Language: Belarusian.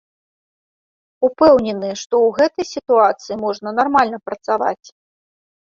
Упэўнены, што ў гэтай сітуацыі можна нармальна працаваць.